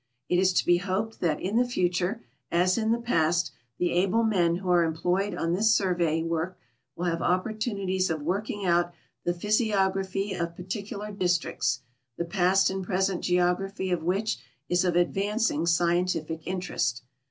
It is to be hoped that in the future, as in the past, the able men who are employed on this survey work will have opportunities of working out the physiography of particu lar districts, the past and present geography' of which is of ad vancing scientific interest.